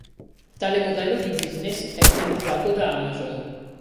Tale modello di business è utilizzato da Amazon.